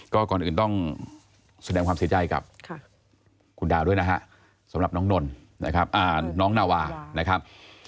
ก็ก่อนอื่นต้องแสดงความเสียใจกับคุณดาวด้วยนะฮะสำหรับน้องนนนะครับน้องนาวานะครับ